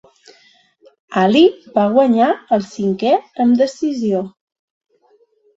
Ali va guanyar el cinquè amb decisió.